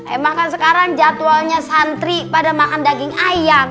emang kan sekarang jadwalnya santri pada makan daging ayam